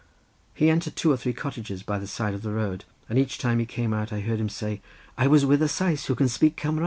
He entered two or three cottages by the side of the road, and each time he came out I heard him say: "I am with a Sais, who can speak Cumraeg."